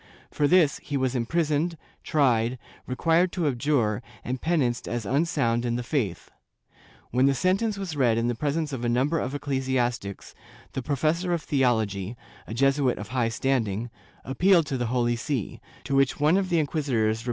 For this he was imprisoned, tried, required to abjure and penanced as unsound in the faith. When the sentence was read in the presence of a number of ecclesiastics, the professor of theology, a Jesuit of high standing, appealed to the Holy See, to which one of the inquisitors replied that from ' Bibl.